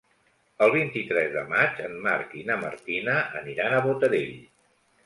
El vint-i-tres de maig en Marc i na Martina aniran a Botarell.